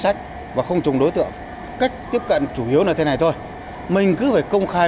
sách và không trùng đối tượng cách tiếp cận chủ yếu là thế này thôi mình cứ phải công khai